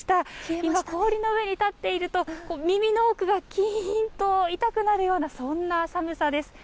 今、氷の上に立っていると、耳の奥がきーんと痛くなるような、そんな寒さです。